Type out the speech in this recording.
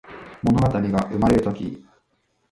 ものがたりがうまれるとき